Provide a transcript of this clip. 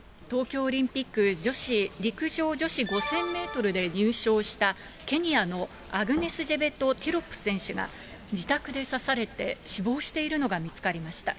東京オリンピック陸上女子５０００メートルで入賞したケニアのアグネスジェベト・ティロップ選手が自宅で刺されて死亡しているのが見つかりました。